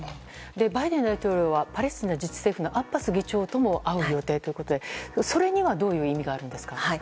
バイデン大統領はパレスチナ自治政府のアッバス議長とも会う予定ということでそれにはどういう意味があるんですか。